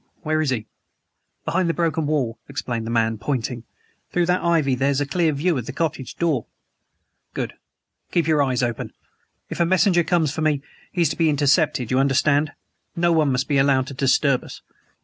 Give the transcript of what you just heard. Where is he?" "Behind the broken wall," explained the man, pointing. "Through that ivy there's a clear view of the cottage door." "Good. Keep your eyes open. If a messenger comes for me, he is to be intercepted, you understand. No one must be allowed to disturb us.